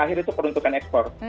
itu peruntukan ekspor